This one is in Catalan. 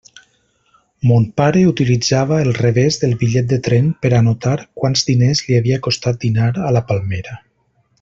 Mon pare utilitzava el revés del bitllet de tren per a anotar quants diners li havia costat dinar a La Palmera.